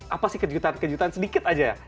apa sih kejutan kejutan sedikit aja ya